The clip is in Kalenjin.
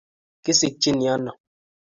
Kigisikchinin ano?